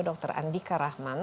dokter andika rahman